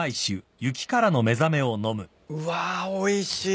うわおいしい。